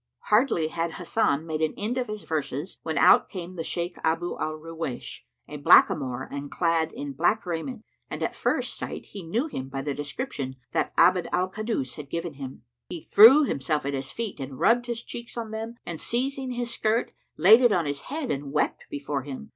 Hardly had Hasan made an end of his verses, when out came the Shaykh Abu al Ruwaysh, a blackamoor and clad in black raiment, and at first sight he knew him by the description that Abd al Kaddus had given him. He threw himself at his feet and rubbed his cheeks on them and seizing his skirt, laid it on his head and wept before him.